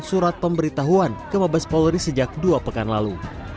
surat pemberitahuan ke mabes polri sejak dua pekan lalu